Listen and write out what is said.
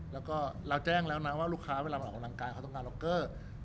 แล้วก็เราแจ้งแล้วนะว่าลูกค้าเวลามาออกกำลังกายเขาต้องการล็อกเกอร์